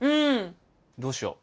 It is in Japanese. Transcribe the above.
どうしよう。